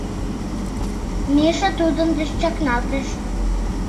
Миша тудын деч чакналтыш.